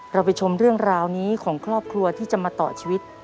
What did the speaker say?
ไปชมเรื่องราวนี้ของครอบครัวที่จะมาต่อชีวิต